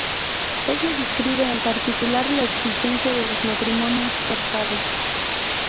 Ella describe en particular la existencia de los matrimonios forzados.